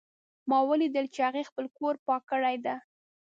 ما ولیدل چې هغې خپل کور پاک کړی ده